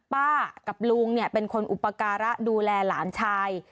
ป้ากับลุงเป็นคนอุปการะดูแลหลานชาย